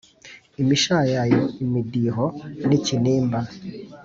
imishayayo, imidiho, ni kinimba.